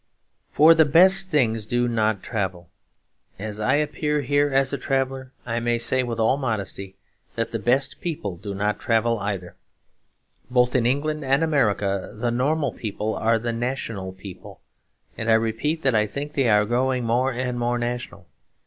For the best things do not travel. As I appear here as a traveller, I may say with all modesty that the best people do not travel either. Both in England and America the normal people are the national people; and I repeat that I think they are growing more and more national.